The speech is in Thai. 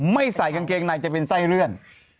ไม่ใส่กางเกงในจะเป็นไส้เลื่อน